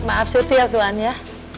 maaf sutil ya tuhan ya